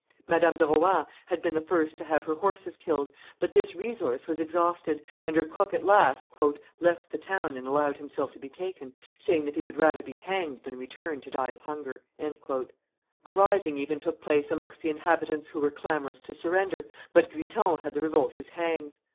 Madame de Rohan had been the first to have her horses killed, but this resource was exhausted, and her cook at last "left the town and allowed himself to be taken, saying that he would rather be hanged than return to die of hunger." A rising even took place amongst the inhabitants who were clamorous to surrender, but Guiton had the revolters hanged.